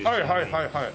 はいはいはいはい。